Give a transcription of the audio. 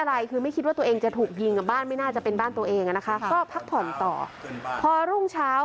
นี่คือไม่คิดว่าตัวเองจะถูกยิงว่าบ้านไม่น่าจะเป็นบ้านตัวเองแหละนะคะ